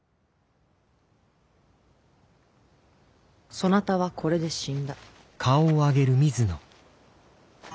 そなたはこれで死んだ。